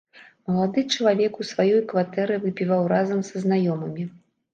Малады чалавек у сваёй кватэры выпіваў разам са знаёмымі.